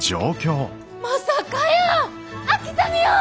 まさかやー！